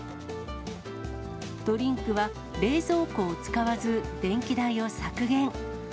ドリンクは冷蔵庫を使わず、電気代を削減。